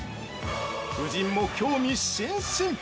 ◆夫人も興味津々！